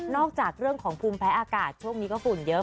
จากเรื่องของภูมิแพ้อากาศช่วงนี้ก็ฝุ่นเยอะ